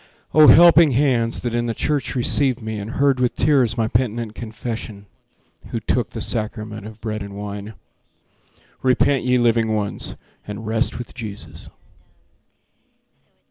Oh, helping hands that in the church received me And heard with tears my penitent confession, Who took the sacrament of bread and wine! Repent, ye living ones, and rest with Jesus.